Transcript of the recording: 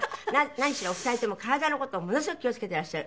何しろお二人とも体の事をものすごく気を付けていらっしゃる。